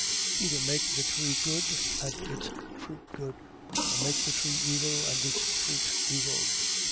Either make the tree good and its fruit good: or make the tree evil, and its fruit evil.